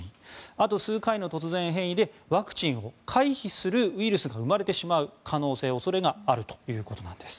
あと数回の突然変異でワクチンを回避するウイルスが生まれてしまう可能性があるということです。